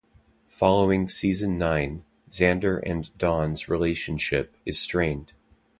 Following "Season Nine", Xander and Dawn's relationship is strained.